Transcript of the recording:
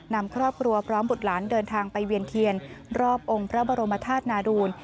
นำครอบครัวพร้อมบุตรหลานเดินทางไปเวียนเทียนรอบองค์พระบรมธาตุนาดูล